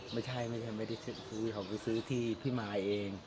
ไม่ใช่ไม่ใช่เขาไปซื้อที่พี่มายเอง